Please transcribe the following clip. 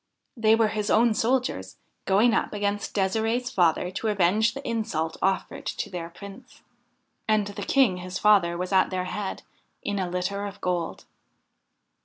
They were his own soldiers, going up against De'sirde's father to avenge the insult offered to their Prince. And the King his father was at their head, in a litter of gold.